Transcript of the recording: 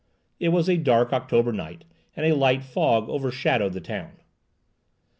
It was a dark October night, and a light fog overshadowed the town.